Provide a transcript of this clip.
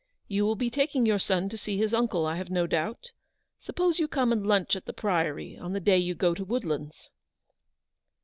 You will be taking your son to see his uncle, I have no doubt — suppose you come and lunch at the Priory on the day you go to Woodlands."